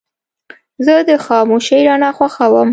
زه د خاموشې رڼا خوښوم.